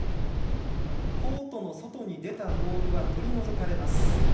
コートの外に出たボールは取り除かれます。